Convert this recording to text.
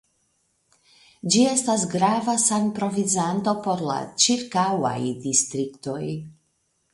Ĝi estas grava sanprovizanto por la ĉirkaŭaj distriktoj.